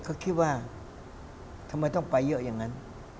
เขาคิดว่าทำไมต้องไปเยอะอย่างนั้น